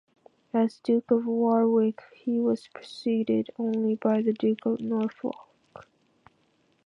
As Duke of Warwick, he was preceded only by the Duke of Norfolk.